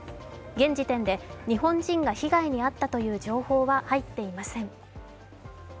現時点で日本人が被害に遭ったという情報は入っていません。